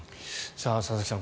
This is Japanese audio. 佐々木さん